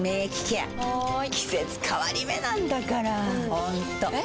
ホントえ？